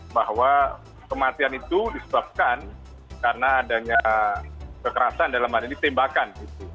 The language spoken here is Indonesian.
bahwa kematian itu disebabkan karena adanya kekerasan dalam hal ini tembakan